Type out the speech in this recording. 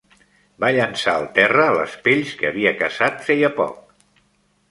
Va llançar al terra les pells que havia caçat feia poc.